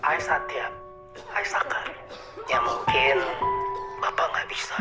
aisat ya aisat kan ya mungkin bapak nggak bisa